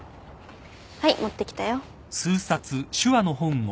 はい持ってきたよ。